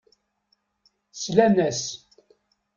Slan-as.